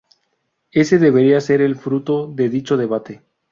Ese debería ser el fruto de dicho debate